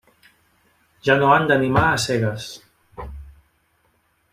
Ja no han d'animar a cegues.